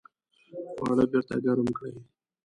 خواړه بیرته ګرم کړئ